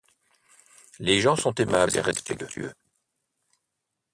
Les gens sont aimables et respectueux.